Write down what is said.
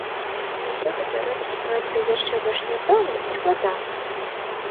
І ўсё гэта робіць сітуацыю яшчэ больш няпэўнай і складанай.